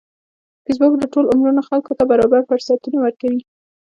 فېسبوک د ټولو عمرونو خلکو ته برابر فرصتونه ورکوي